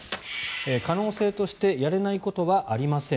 可能性としてやれないことはありません。